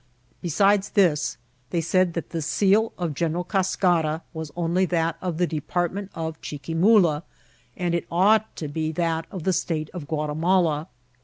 Besides this, they said that the seal of General Cascara was only that of the department of Chiquimula, and it ought to be that of the state of Gua timala.